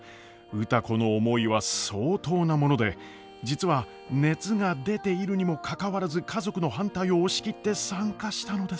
歌子の思いは相当なもので実は熱が出ているにもかかわらず家族の反対を押し切って参加したのです。